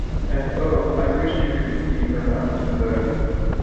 And oh, I wish you could see her after the birds!